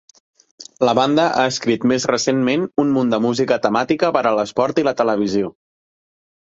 La banda ha escrit més recentment un munt de música temàtica per a l'esport i la televisió.